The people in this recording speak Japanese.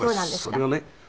それはね